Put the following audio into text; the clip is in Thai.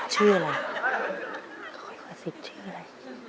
ชื่ออะไรประสิทธิ์ชื่ออะไร